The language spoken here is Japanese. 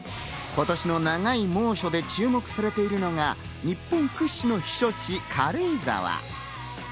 今年の長い猛暑で注目されているのが日本屈指の避暑地・軽井沢。